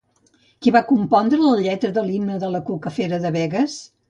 Qui va compondre la lletra de l'Himne de la cuca fera de Begues?